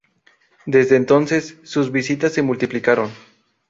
Desde entonces, sus visitas se multiplicaron.